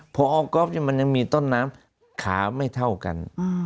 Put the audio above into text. พอก๊อฟมันยังมีต้นน้ำขาไม่เท่ากัน